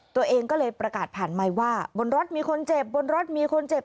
ตัวเองก็เลยประกาศผ่านไมค์ว่าบนรถมีคนเจ็บบนรถมีคนเจ็บ